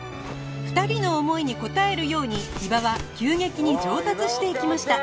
２人の思いに応えるように伊庭は急激に上達していきました